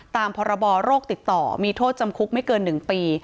ตามพรบโรคติดต่อมีโทษจำคุกไม่เกิน๑ปี